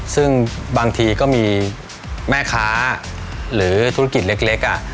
ซึ่งบางทีก็มีแม่ค้าหรือธุรกิจเล็ก